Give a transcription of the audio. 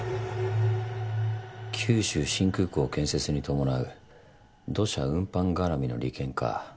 九州新空港建設に伴う土砂運搬がらみの利権か。